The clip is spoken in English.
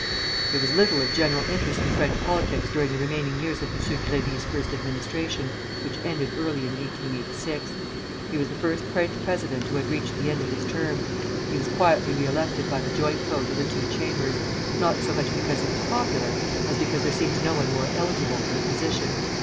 There was little of general interest in French politics during the remaining years of M. Grévy's first administration, which ended early in 1886. He was the first French president who had reached the end of his term. He was quietly re elected by the joint vote of the two Chambers, not so much because he was popular as because there seemed no one more eligible for the position.